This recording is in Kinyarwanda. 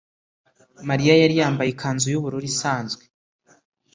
Mariya yari yambaye ikanzu yubururu isanzwe